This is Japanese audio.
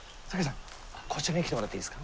こちらに来てもらっていいですか。